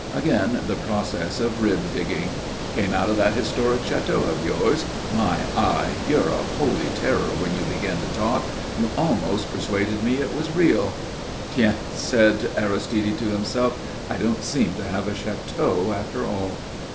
Again the process of rib digging. "Came out of that historic château of yours. My eye! you're a holy terror when you begin to talk. You almost persuaded me it was real." "Tiens!" said Aristide to himself. "I don't seem to have a château after all."